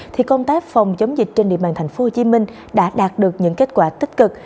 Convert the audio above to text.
thì công tác phòng chống dịch trên địa bàn tp hcm đã đạt được những kết quả tích cực